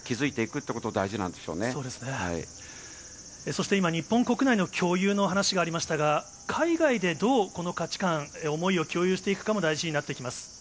そして今、日本国内の共有の話がありましたが、海外でどう、この価値観、思いを共有していくかも大事になってきます。